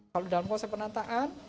kalau dalam konsep penataan